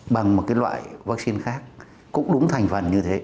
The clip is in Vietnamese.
bằng một loại vaccine khác cũng đúng thành phần như thế